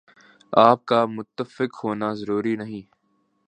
آپ کا متفق ہونا ضروری نہیں ۔